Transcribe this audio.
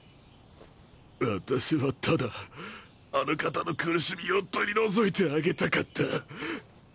私はただあの方の苦しみを取り除いてあげたかった。